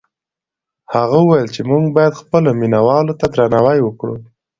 هغه وویل چې موږ باید خپلو مینه والو ته درناوی وکړو.